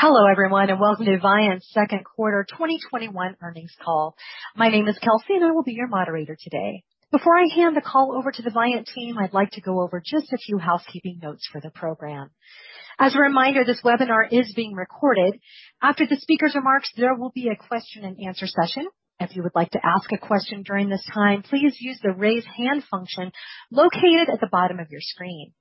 Hello everyone, and welcome to Viant's second quarter 2021 earnings call. My name is Kelsey and I will be your moderator today. Before I hand the call over to the Viant team, I'd like to go over just a few housekeeping notes for the program. As a reminder, this webinar is being recorded. After the speaker's remarks, there will be a question and answer session. If you would like to ask a question during this time, please use the raise hand function located at the bottom of your screen.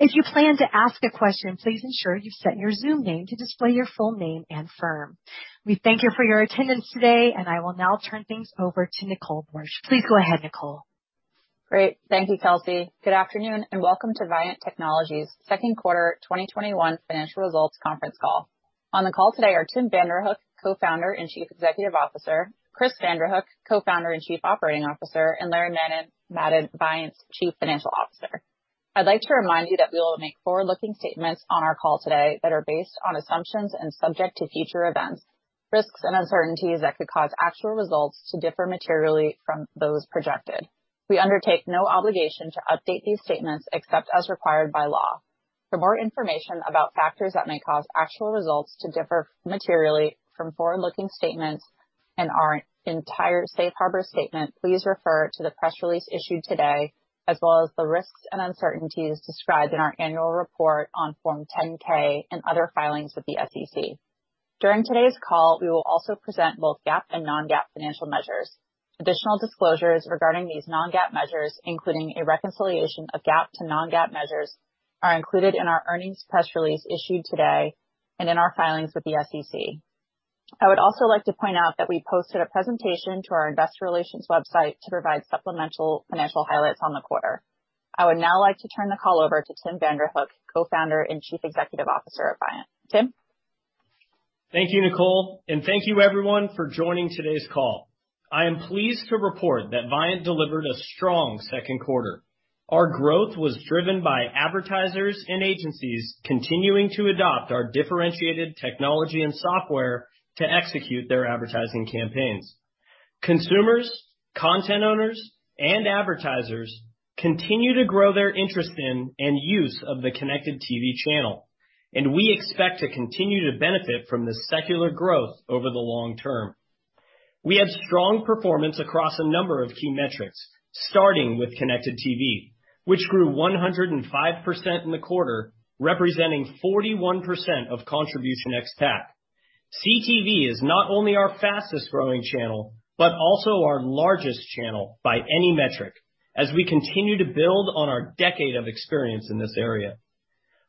If you plan to ask a question, please ensure you've set your Zoom name to display your full name and firm. We thank you for your attendance today, and I will now turn things over to Nicole Borsje. Please go ahead, Nicole. Great. Thank you, Kelsey. Good afternoon, and welcome to Viant Technology's second quarter 2021 financial results conference call. On the call today are Tim Vanderhook, Co-Founder and Chief Executive Officer, Chris Vanderhook, Co-Founder and Chief Operating Officer, and Larry Madden, Viant's Chief Financial Officer. I'd like to remind you that we will make forward-looking statements on our call today that are based on assumptions and subject to future events, risks, and uncertainties that could cause actual results to differ materially from those projected. We undertake no obligation to update these statements except as required by law. For more information about factors that may cause actual results to differ materially from forward-looking statements and our entire safe harbor statement, please refer to the press release issued today, as well as the risks and uncertainties described in our annual report on Form 10-K and other filings with the SEC. During today's call, we will also present both GAAP and non-GAAP financial measures. Additional disclosures regarding these non-GAAP measures, including a reconciliation of GAAP to non-GAAP measures, are included in our earnings press release issued today and in our filings with the SEC. I would also like to point out that we posted a presentation to our investor relations website to provide supplemental financial highlights on the quarter. I would now like to turn the call over to Tim Vanderhook, Co-Founder and Chief Executive Officer at Viant. Tim? Thank you, Nicole, and thank you everyone for joining today's call. I am pleased to report that Viant delivered a strong second quarter. Our growth was driven by advertisers and agencies continuing to adopt our differentiated technology and software to execute their advertising campaigns. Consumers, content owners, and advertisers continue to grow their interest in and use of the connected TV channel, and we expect to continue to benefit from this secular growth over the long term. We have strong performance across a number of key metrics, starting with connected TV, which grew 105% in the quarter, representing 41% of contribution ex TAC. CTV is not only our fastest growing channel, but also our largest channel by any metric, as we continue to build on our decade of experience in this area.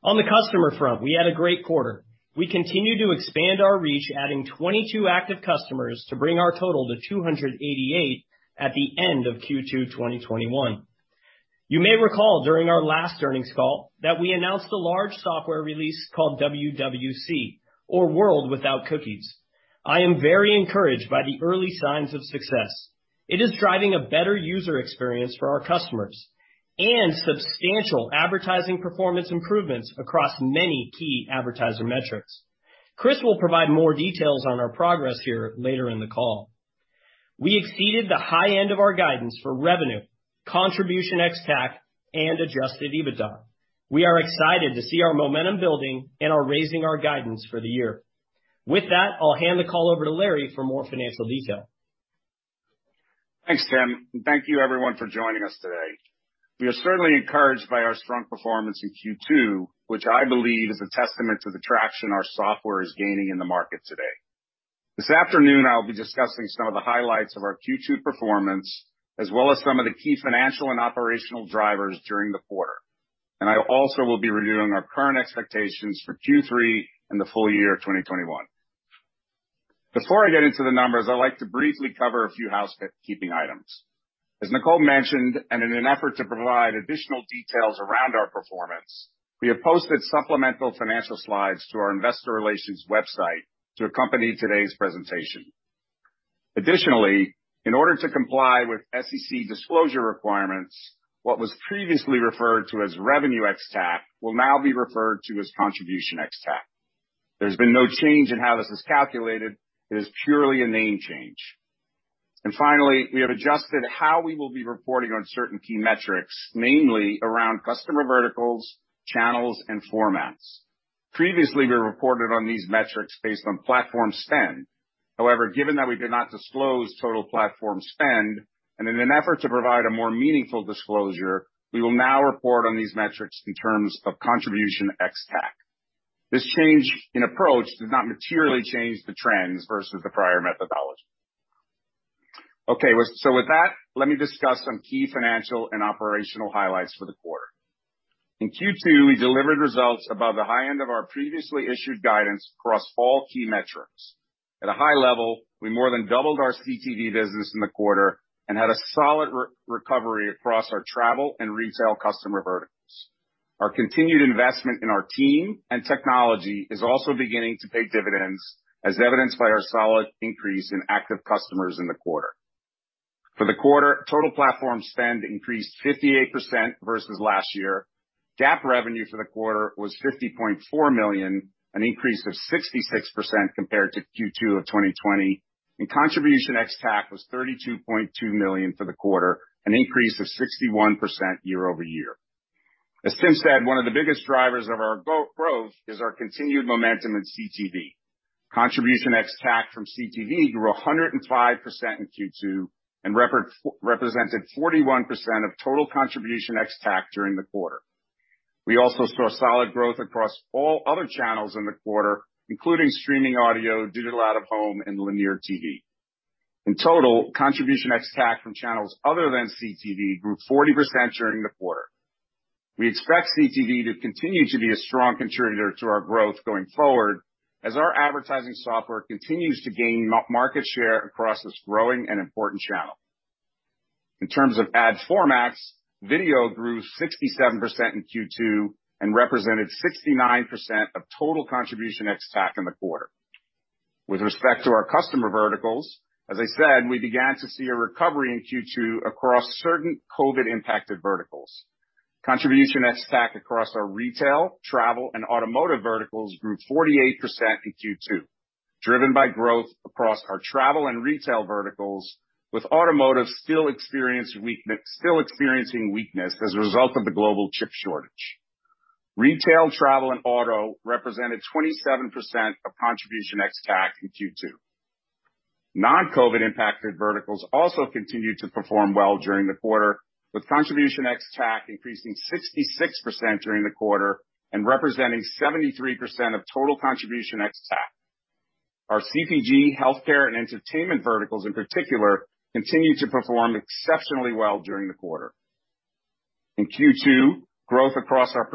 On the customer front, we had a great quarter. We continue to expand our reach, adding 22 active customers to bring our total to 288 at the end of Q2 2021. You may recall during our last earnings call that we announced a large software release called WWC, or World Without Cookies. I am very encouraged by the early signs of success. It is driving a better user experience for our customers and substantial advertising performance improvements across many key advertiser metrics. Chris will provide more details on our progress here later in the call. We exceeded the high end of our guidance for revenue, contribution ex TAC, and adjusted EBITDA. We are excited to see our momentum building and are raising our guidance for the year. With that, I'll hand the call over to Larry for more financial detail. Thanks, Tim, and thank you everyone for joining us today. We are certainly encouraged by our strong performance in Q2, which I believe is a testament to the traction our software is gaining in the market today. This afternoon, I'll be discussing some of the highlights of our Q2 performance, as well as some of the key financial and operational drivers during the quarter, and I also will be reviewing our current expectations for Q3 and the full year of 2021. Before I get into the numbers, I'd like to briefly cover a few housekeeping items. As Nicole mentioned, and in an effort to provide additional details around our performance, we have posted supplemental financial slides to our investor relations website to accompany today's presentation. Additionally, in order to comply with SEC disclosure requirements, what was previously referred to as revenue ex TAC will now be referred to as contribution ex TAC. There's been no change in how this is calculated. It is purely a name change. Finally, we have adjusted how we will be reporting on certain key metrics, namely around customer verticals, channels, and formats. Previously, we reported on these metrics based on platform spend. Given that we did not disclose total platform spend, and in an effort to provide a more meaningful disclosure, we will now report on these metrics in terms of contribution ex TAC. This change in approach does not materially change the trends versus the prior methodology. With that, let me discuss some key financial and operational highlights for the quarter. In Q2, we delivered results above the high end of our previously issued guidance across all key metrics. At a high level, we more than doubled our CTV business in the quarter and had a solid recovery across our travel and retail customer verticals. Our continued investment in our team and technology is also beginning to pay dividends, as evidenced by our solid increase in active customers in the quarter. For the quarter, total platform spend increased 58% versus last year. GAAP revenue for the quarter was $50.4 million, an increase of 66% compared to Q2 of 2020. Contribution ex TAC was $32.2 million for the quarter, an increase of 61% year over year. As Tim said, one of the biggest drivers of our growth is our continued momentum in CTV. Contribution ex TAC from CTV grew 105% in Q2 and represented 41% of total contribution ex TAC during the quarter. We also saw solid growth across all other channels in the quarter, including streaming audio, digital out-of-home, and linear TV. In total, contribution ex TAC from channels other than CTV grew 40% during the quarter. We expect CTV to continue to be a strong contributor to our growth going forward as our advertising software continues to gain market share across this growing and important channel. In terms of ad formats, video grew 67% in Q2 and represented 69% of total contribution ex TAC in the quarter. With respect to our customer verticals, as I said, we began to see a recovery in Q2 across certain COVID-impacted verticals. Contribution ex TAC across our retail, travel, and automotive verticals grew 48% in Q2, driven by growth across our travel and retail verticals, with automotive still experiencing weakness as a result of the global chip shortage. Retail, travel, and auto represented 27% of contribution ex TAC in Q2. Non-COVID impacted verticals also continued to perform well during the quarter, with contribution ex TAC increasing 66% during the quarter and representing 73% of total contribution ex TAC. Our CPG, healthcare, and entertainment verticals in particular, continued to perform exceptionally well during the quarter. In Q2, growth across our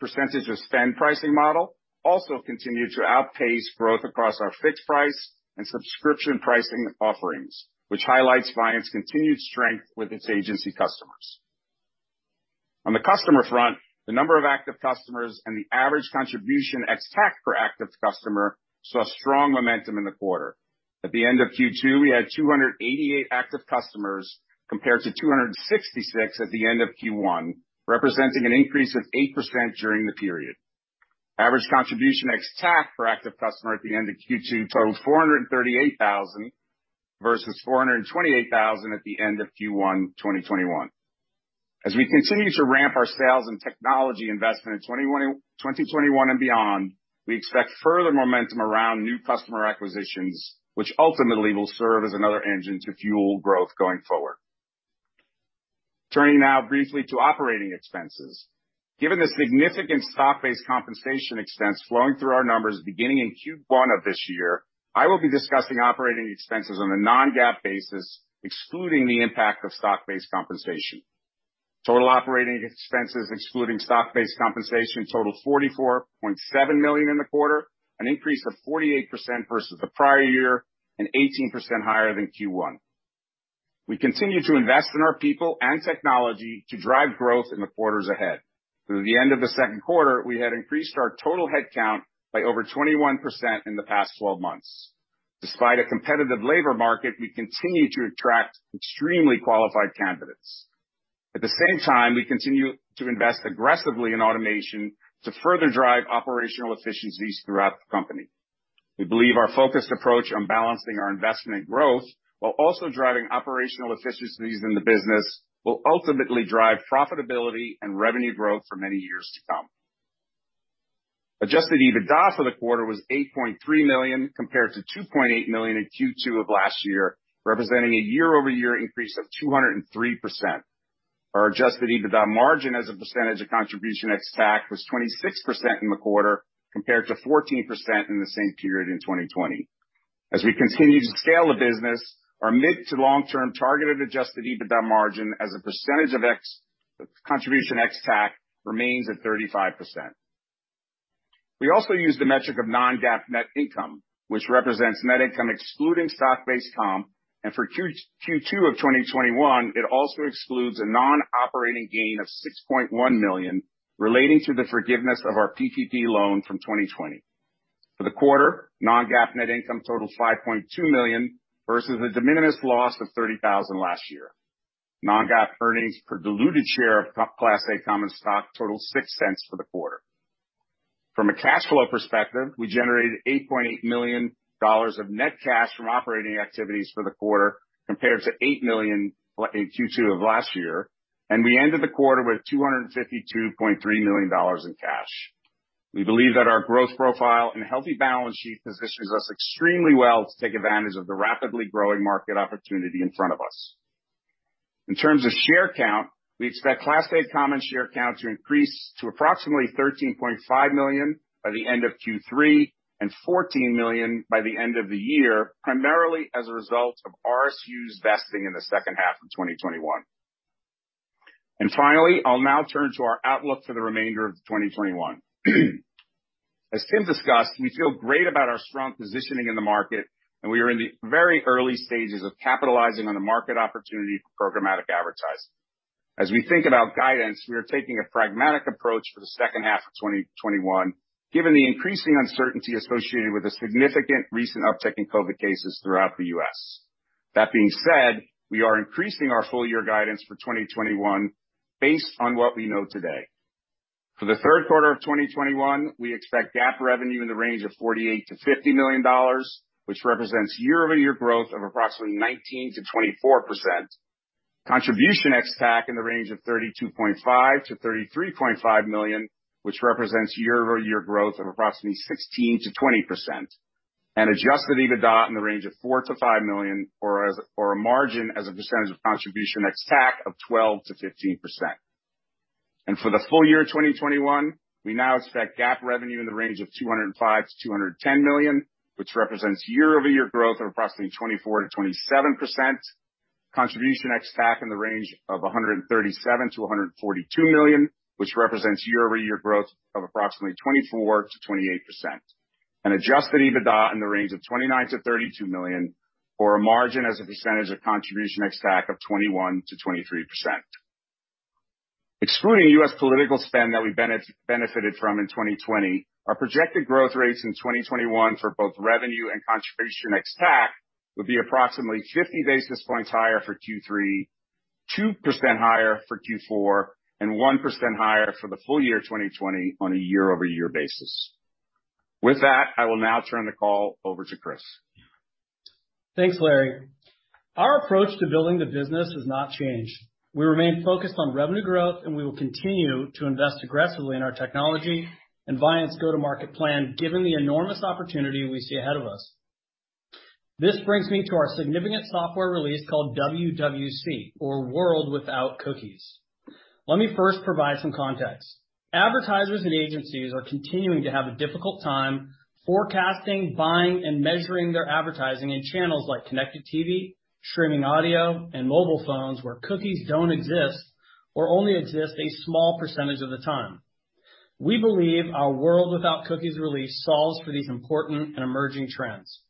percentage of spend pricing model also continued to outpace growth across our fixed price and subscription pricing offerings, which highlights Viant's continued strength with its agency customers. On the customer front, the number of active customers and the average contribution ex TAC per active customer saw strong momentum in the quarter. At the end of Q2, we had 288 active customers compared to 266 at the end of Q1, representing an increase of 8% during the period. Average contribution ex TAC for active customer at the end of Q2 totaled $438,000 versus $428,000 at the end of Q1 2021. As we continue to ramp our sales and technology investment in 2021 and beyond, we expect further momentum around new customer acquisitions, which ultimately will serve as another engine to fuel growth going forward. Turning now briefly to operating expenses. Given the significant stock-based compensation expense flowing through our numbers beginning in Q1 of this year, I will be discussing operating expenses on a non-GAAP basis, excluding the impact of stock-based compensation. Total operating expenses, excluding stock-based compensation, totaled $44.7 million in the quarter, an increase of 48% versus the prior year, and 18% higher than Q1. We continue to invest in our people and technology to drive growth in the quarters ahead. Through the end of the second quarter, we had increased our total headcount by over 21% in the past 12 months. Despite a competitive labor market, we continue to attract extremely qualified candidates. At the same time, we continue to invest aggressively in automation to further drive operational efficiencies throughout the company. We believe our focused approach on balancing our investment growth while also driving operational efficiencies in the business, will ultimately drive profitability and revenue growth for many years to come. Adjusted EBITDA for the quarter was $8.3 million compared to $2.8 million in Q2 of last year, representing a year-over-year increase of 203%. Our adjusted EBITDA margin as a percentage of contribution ex TAC was 26% in the quarter, compared to 14% in the same period in 2020.As we continue to scale the business, our mid to long-term targeted adjusted EBITDA margin as a percentage of contribution ex TAC remains at 35%. We also use the metric of non-GAAP net income, which represents net income excluding stock-based comp, for Q2 of 2021, it also excludes a non-operating gain of $6.1 million relating to the forgiveness of our PPP loan from 2020. For the quarter, non-GAAP net income totaled $5.2 million versus a de minimis loss of $30,000 last year. Non-GAAP earnings per diluted share of Class A common stock totaled $0.06 for the quarter. From a cash flow perspective, we generated $8.8 million of net cash from operating activities for the quarter, compared to $8 million in Q2 of last year, we ended the quarter with $252.3 million in cash. We believe that our growth profile and healthy balance sheet positions us extremely well to take advantage of the rapidly growing market opportunity in front of us. In terms of share count, we expect Class A common share count to increase to approximately $13.5 million by the end of Q3, and $14 million by the end of the year, primarily as a result of RSUs vesting in the second half of 2021. Finally, I'll now turn to our outlook for the remainder of 2021. As Tim discussed, we feel great about our strong positioning in the market, and we are in the very early stages of capitalizing on the market opportunity for programmatic advertising. As we think about guidance, we are taking a pragmatic approach for the second half of 2021, given the increasing uncertainty associated with a significant recent uptick in COVID cases throughout the U.S. That being said, we are increasing our full year guidance for 2021 based on what we know today. For the third quarter of 2021, we expect GAAP revenue in the range of $48 million-$50 million, which represents year-over-year growth of approximately 19%-24%. Contribution ex TAC in the range of $32.5 million-$33.5 million, which represents year-over-year growth of approximately 16%-20%. Adjusted EBITDA in the range of $4 million-$5 million, or a margin as a percentage of contribution ex TAC of 12%-15%. For the full year 2021, we now expect GAAP revenue in the range of $205 million-$210 million, which represents year-over-year growth of approximately 24%-27%. Contribution ex TAC in the range of $137 million-$142 million, which represents year-over-year growth of approximately 24%-28%. Adjusted EBITDA in the range of $29 million-$32 million, or a margin as a percentage of contribution ex TAC of 21%-23%. Excluding U.S. political spend that we benefited from in 2020, our projected growth rates in 2021 for both revenue and contribution ex TAC will be approximately 50 basis points higher for Q3, 2% higher for Q4, and 1% higher for the full year 2020 on a year-over-year basis. With that, I will now turn the call over to Chris. Thanks, Larry. Our approach to building the business has not changed. We remain focused on revenue growth, and we will continue to invest aggressively in our technology and Viant's go-to-market plan, given the enormous opportunity we see ahead of us. This brings me to our significant software release called WWC, or World Without Cookies. Let me first provide some context. Advertisers and agencies are continuing to have a difficult time forecasting, buying, and measuring their advertising in channels like connected TV, streaming audio, and mobile phones, where cookies don't exist or only exist a small percentage of the time. We believe our World Without Cookies release solves for these important and emerging trends.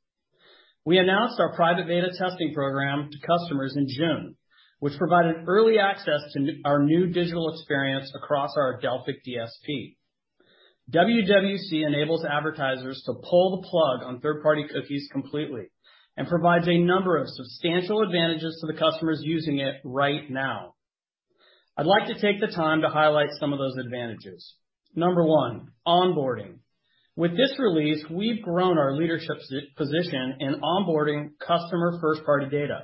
We announced our private beta testing program to customers in June, which provided early access to our new digital experience across our Adelphic DSP. WWC enables advertisers to pull the plug on third-party cookies completely, and provides a number of substantial advantages to the customers using it right now. I'd like to take the time to highlight some of those advantages. Number one, onboarding. With this release, we've grown our leadership position in onboarding customer first-party data.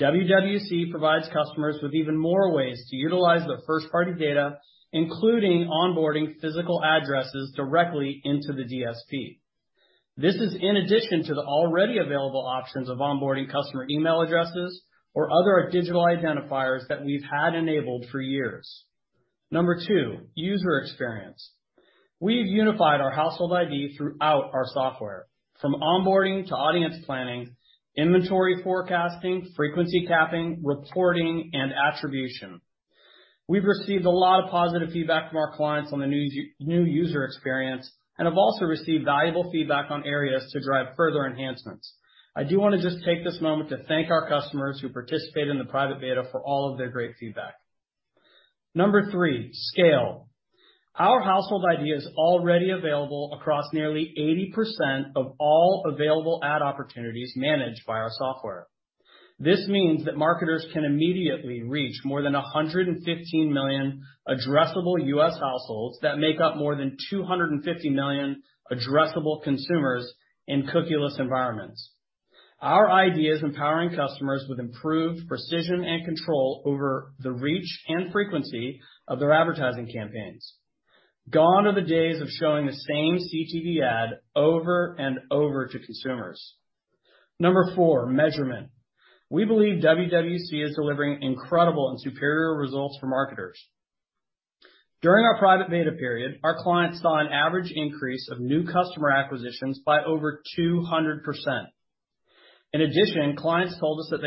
WWC provides customers with even more ways to utilize their first-party data, including onboarding physical addresses directly into the DSP. This is in addition to the already available options of onboarding customer email addresses or other digital identifiers that we've had enabled for years. Number two, user experience. We've unified our Household ID throughout our software, from onboarding to audience planning, inventory forecasting, frequency capping, reporting, and attribution. We've received a lot of positive feedback from our clients on the new user experience and have also received valuable feedback on areas to drive further enhancements. I do want to just take this moment to thank our customers who participated in the private beta for all of their great feedback. Number three, scale. Our Household ID is already available across nearly 80% of all available ad opportunities managed by our software. This means that marketers can immediately reach more than 115 million addressable US households that make up more than 250 million addressable consumers in cookieless environments. Our ID is empowering customers with improved precision and control over the reach and frequency of their advertising campaigns. Gone are the days of showing the same CTV ad over and over to consumers. Number four, measurement. We believe WWC is delivering incredible and superior results for marketers. During our private beta period, our clients saw an average increase of new customer acquisitions by over 200%. In addition, clients told us that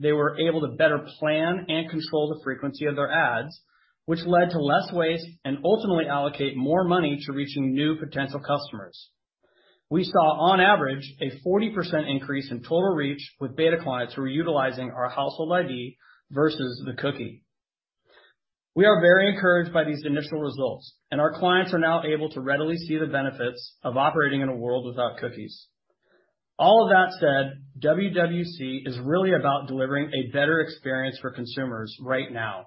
they were able to better plan and control the frequency of their ads, which led to less waste, and ultimately allocate more money to reaching new potential customers. We saw, on average, a 40% increase in total reach with beta clients who were utilizing our Household ID versus the cookie. We are very encouraged by these initial results, and our clients are now able to readily see the benefits of operating in a World Without Cookies. All of that said, WWC is really about delivering a better experience for consumers right now.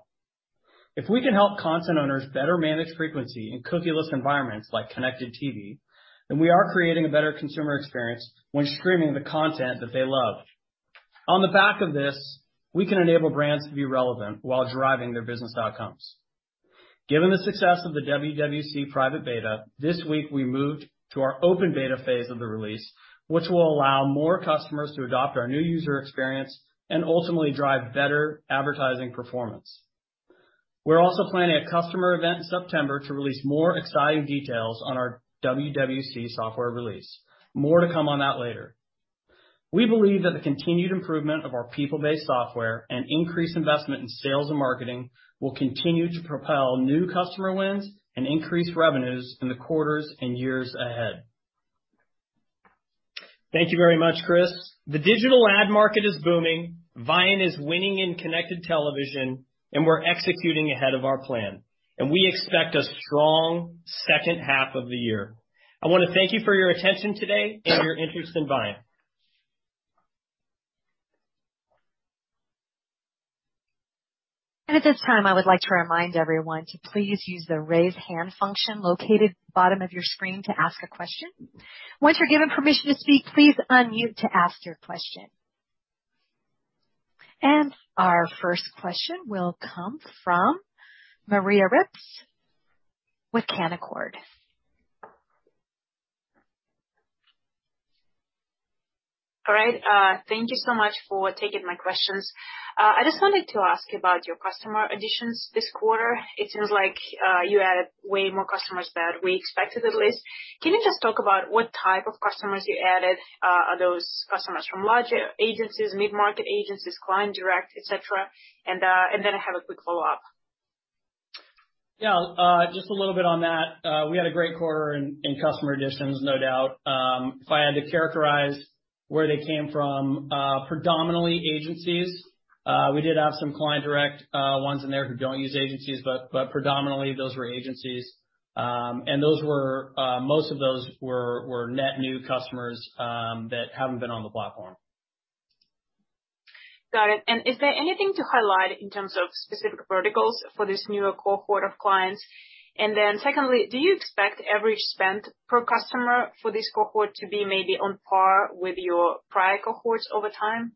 If we can help content owners better manage frequency in cookieless environments like connected TV, then we are creating a better consumer experience when streaming the content that they love. On the back of this, we can enable brands to be relevant while driving their business outcomes. Given the success of the WWC private beta, this week, we moved to our open beta phase of the release, which will allow more customers to adopt our new user experience and ultimately drive better advertising performance. We're also planning a customer event in September to release more exciting details on our WWC software release. More to come on that later. We believe that the continued improvement of our people-based software and increased investment in sales and marketing will continue to propel new customer wins and increase revenues in the quarters and years ahead. Thank you very much, Chris. The digital ad market is booming. Viant is winning in connected television, and we're executing ahead of our plan. We expect a strong second half of the year. I want to thank you for your attention today and your interest in Viant. At this time, I would like to remind everyone to please use the Raise Hand function located at the bottom of your screen to ask a question. Once you're given permission to speak, please unmute to ask your question. Our first question will come from Maria Ripps with Canaccord. All right. Thank you so much for taking my questions. I just wanted to ask about your customer additions this quarter. It seems like you added way more customers than we expected, at least. Can you just talk about what type of customers you added? Are those customers from large agencies, mid-market agencies, client direct, et cetera? I have a quick follow-up. Yeah, just a little bit on that. We had a great quarter in customer additions, no doubt. If I had to characterize where they came from, predominantly agencies. We did have some client direct ones in there who don't use agencies, but predominantly those were agencies. Most of those were net new customers that haven't been on the platform. Got it. Is there anything to highlight in terms of specific verticals for this newer cohort of clients? Secondly, do you expect average spend per customer for this cohort to be maybe on par with your prior cohorts over time?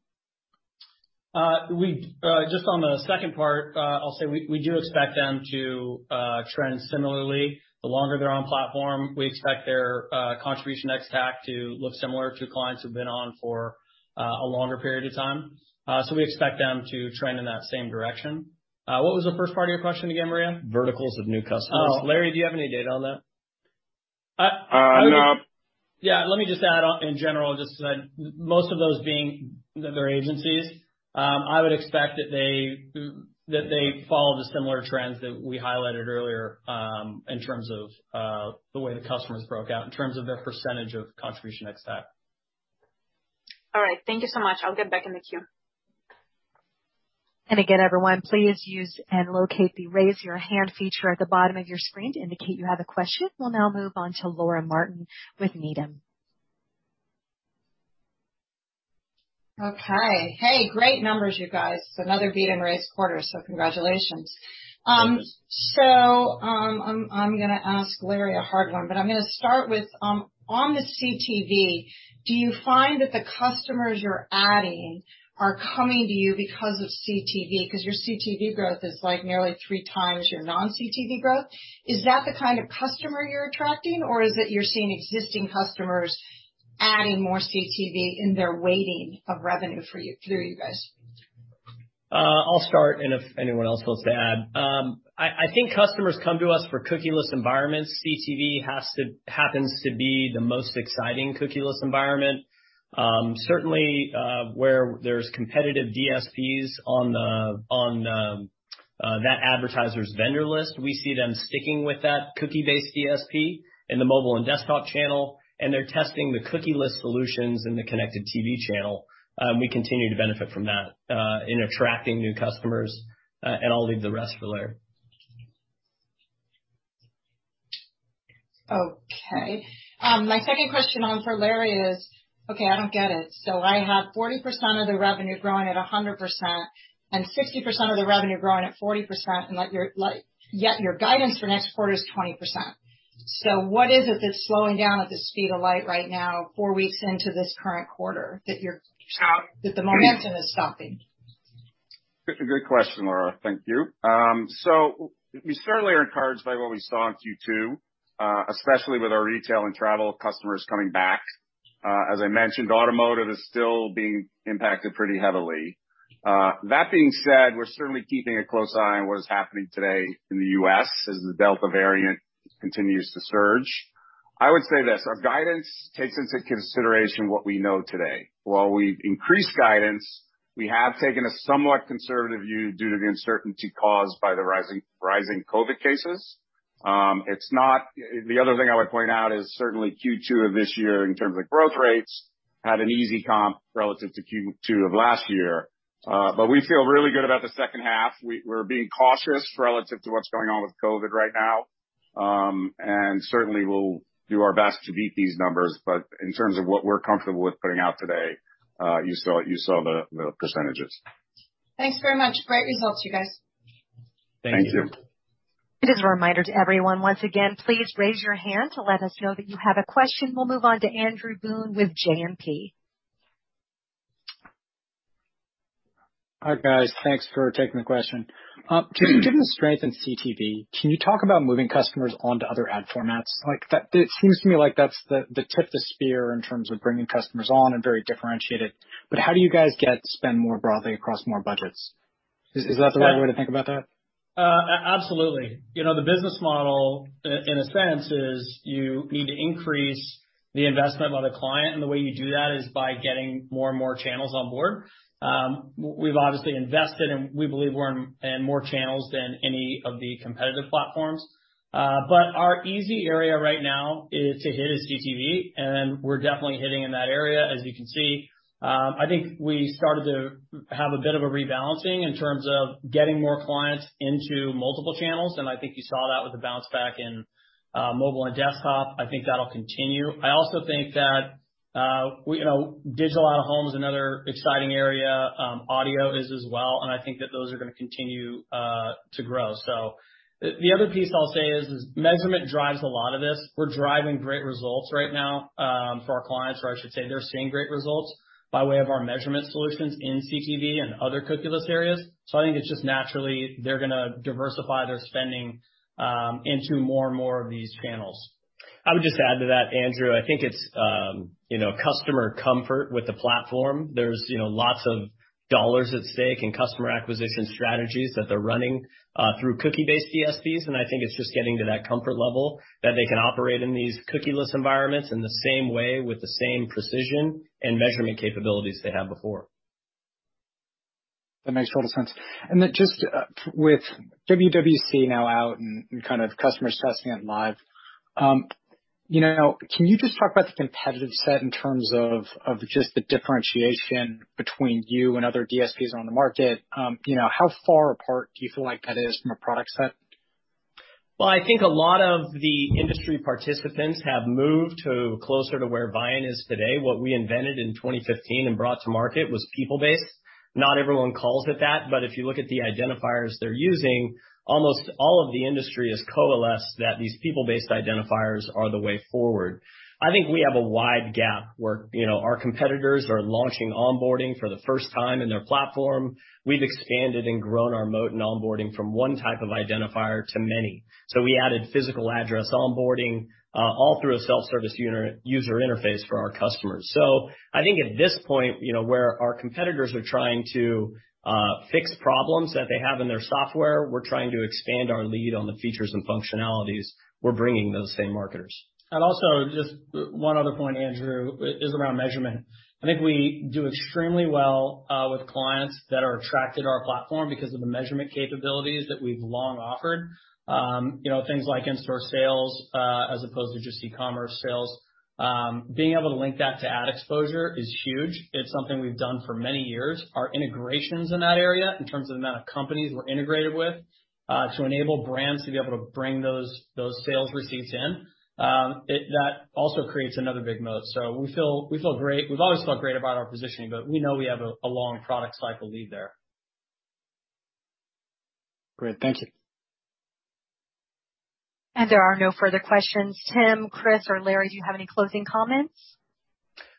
Just on the second part, I'll say we do expect them to trend similarly. The longer they're on the platform, we expect their contribution ex TAC to look similar to clients who've been on for a longer period of time. We expect them to trend in that same direction. What was the first part of your question again, Maria? Verticals of new customers. Oh, Larry, do you have any data on that? No. Yeah, let me just add on, in general, just that most of those being that they're agencies, I would expect that they follow the similar trends that we highlighted earlier, in terms of the way the customers broke out in terms of their % of contribution ex TAC. All right. Thank you so much. I'll get back in the queue. Everyone, please use and locate the Raise Your Hand feature at the bottom of your screen to indicate you have a question. We'll now move on to Laura Martin with Needham. Okay. Hey, great numbers, you guys. Another beat and raise quarter, congratulations. Thanks. I'm going to ask Larry a hard one, but I'm going to start with, on the CTV, do you find that the customers you're adding are coming to you because of CTV? Your CTV growth is nearly 3 times your non-CTV growth. Is that the kind of customer you're attracting? Is it you're seeing existing customers adding more CTV in their weighting of revenue through you guys? I'll start. If anyone else wants to add. I think customers come to us for cookieless environments. CTV happens to be the most exciting cookieless environment. Certainly, where there's competitive DSPs on that advertiser's vendor list, we see them sticking with that cookie-based DSP in the mobile and desktop channel, and they're testing the cookieless solutions in the connected TV channel. We continue to benefit from that in attracting new customers. I'll leave the rest for Larry. Okay. My second question for Larry is, Okay, I don't get it. I have 40% of the revenue growing at 100% and 60% of the revenue growing at 40%, yet your guidance for next quarter is 20%. What is it that's slowing down at the speed of light right now, four weeks into this current quarter, that the momentum is stopping? Good question, Laura. Thank you. We certainly are encouraged by what we saw in Q2, especially with our retail and travel customers coming back. As I mentioned, automotive is still being impacted pretty heavily. That being said, we're certainly keeping a close eye on what is happening today in the U.S. as the Delta variant continues to surge. I would say this, our guidance takes into consideration what we know today. While we've increased guidance, we have taken a somewhat conservative view due to the uncertainty caused by the rising COVID cases. The other thing I would point out is certainly Q2 of this year, in terms of growth rates, had an easy comp relative to Q2 of last year. We feel really good about the second half. We're being cautious relative to what's going on with COVID right now. Certainly, we'll do our best to beat these numbers, but in terms of what we're comfortable with putting out today, you saw the percentages. Thanks very much. Great results, you guys. Thank you. Thank you. Just a reminder to everyone, once again, please raise your hand to let us know that you have a question. We'll move on to Andrew Boone with JMP. All right, guys. Thanks for taking the question. Given the strength in CTV, can you talk about moving customers onto other ad formats? It seems to me like that's the tip of the spear in terms of bringing customers on and very differentiated, but how do you guys get spend more broadly across more budgets? Is that the right way to think about that? Absolutely. The business model, in a sense, is you need to increase the investment by the client, and the way you do that is by getting more and more channels on board. We've obviously invested, and we believe we're in more channels than any of the competitive platforms. Our easy area right now to hit is CTV, and we're definitely hitting in that area, as you can see. I think we started to have a bit of a rebalancing in terms of getting more clients into multiple channels, and I think you saw that with the bounce back in mobile and desktop. I think that'll continue. I also think that Digital out-of-home is another exciting area. Audio is as well, and I think that those are going to continue to grow. The other piece I'll say is, measurement drives a lot of this. We're driving great results right now for our clients, or I should say, they're seeing great results by way of our measurement solutions in CTV and other cookieless areas. I think it's just naturally, they're going to diversify their spending into more and more of these channels. I would just add to that, Andrew, I think it's customer comfort with the platform. There's lots of dollars at stake and customer acquisition strategies that they're running through cookie-based DSPs. I think it's just getting to that comfort level that they can operate in these cookieless environments in the same way with the same precision and measurement capabilities they had before. That makes total sense. Just with WWC now out and kind of customers testing it live, can you just talk about the competitive set in terms of just the differentiation between you and other DSPs on the market? How far apart do you feel like that is from a product set? I think a lot of the industry participants have moved to closer to where Viant is today. What we invented in 2015 and brought to market was people-based. Not everyone calls it that, but if you look at the identifiers they're using, almost all of the industry has coalesced that these people-based identifiers are the way forward. I think we have a wide gap where our competitors are launching onboarding for the first time in their platform. We've expanded and grown our moat and onboarding from one type of identifier to many. We added physical address onboarding, all through a self-service user interface for our customers. I think at this point, where our competitors are trying to fix problems that they have in their software, we're trying to expand our lead on the features and functionalities we're bringing those same marketers. Also, just one other point, Andrew, is around measurement. I think we do extremely well with clients that are attracted to our platform because of the measurement capabilities that we've long offered. Things like in-store sales, as opposed to just e-commerce sales. Being able to link that to ad exposure is huge. It's something we've done for many years. Our integrations in that area, in terms of the amount of companies we're integrated with, to enable brands to be able to bring those sales receipts in, that also creates another big moat. We feel great. We've always felt great about our positioning, but we know we have a long product cycle lead there. Great. Thank you. There are no further questions. Tim, Chris, or Larry, do you have any closing comments?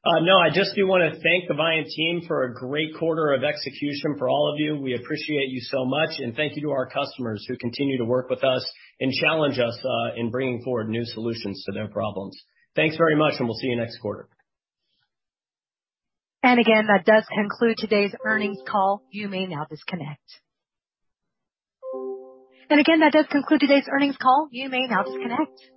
I just do want to thank the Viant team for a great quarter of execution for all of you. We appreciate you so much, thank you to our customers who continue to work with us and challenge us in bringing forward new solutions to their problems. Thanks very much, we'll see you next quarter. And again, that does conclude today's earnings call. You may now disconnect. And again, that does conclude today's earnings call. You may now disconnect.